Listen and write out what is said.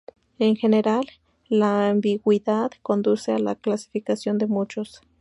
En general, la ambigüedad conduce a la clasificación de muchos.